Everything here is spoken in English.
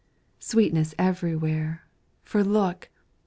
sweetness everywhere, For look!